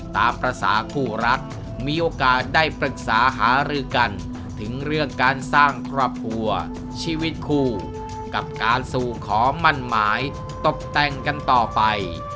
ตามภาษาคู่รักมีโอกาสได้ปรึกษาหารือกันถึงเรื่องการสร้างครอบครัวชีวิตคู่กับการสู่ขอมั่นหมายตกแต่งกันต่อไป